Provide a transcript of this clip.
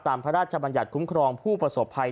พระราชบัญญัติคุ้มครองผู้ประสบภัย